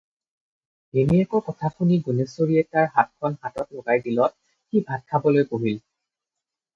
ভিনীহেয়েকৰ কথা শুনি গুণেশ্বৰীয়ে তাৰ হাতখন ভাতত লগাই দিলত সি ভাত খাবলৈ বহিল।